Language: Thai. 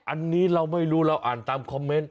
อันนี้เราไม่รู้เราอ่านตามคอมเมนต์